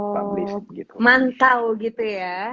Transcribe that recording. publish gitu mantel gitu ya